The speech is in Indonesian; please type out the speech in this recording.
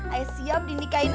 ayah siap dinikahin abang